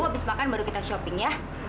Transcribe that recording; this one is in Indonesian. habis makan baru kita shopping ya